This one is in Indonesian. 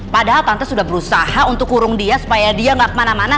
padahal tante sudah berusaha untuk kurung dia supaya dia nggak kemana mana